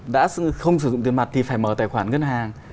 đã không sử dụng tiền mặt thì phải mở tài khoản ngân hàng